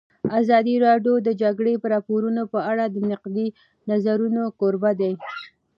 ازادي راډیو د د جګړې راپورونه په اړه د نقدي نظرونو کوربه وه.